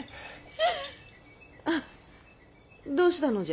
どうしたのじゃ？